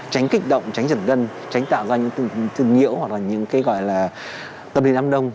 tránh kích động tránh giật gân tránh tạo ra những tư nhiễu hoặc là những cái gọi là tâm lý ám đông